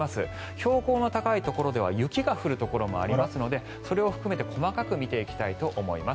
標高の高いところでは雪が降るところもありますのでそれを含めて細かく見ていきたいと思います。